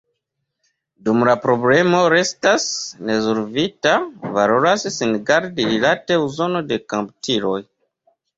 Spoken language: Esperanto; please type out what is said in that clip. Dum la problemo restas nesolvita, valoras sin gardi rilate uzon de komputiloj.